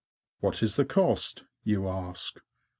"What is the cost?'' you ask.